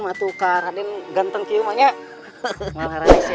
matukah raden ganteng kiumannya